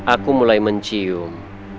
aku mulai mencium